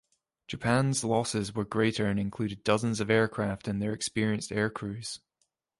Japan's losses were greater and included dozens of aircraft and their experienced aircrews.